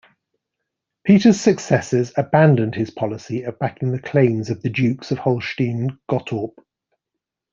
Peter's successors abandoned his policy of backing the claims of the dukes of Holstein-Gottorp.